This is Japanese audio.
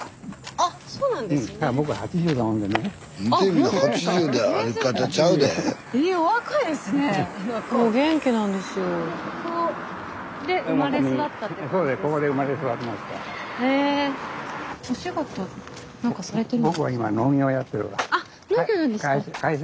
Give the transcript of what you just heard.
あっ農業やるんですか。